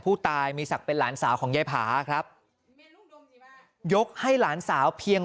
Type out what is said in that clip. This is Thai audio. ผู้ตายมีศักดิ์เป็นหลานสาวของยายผาครับยกให้หลานสาวเพียง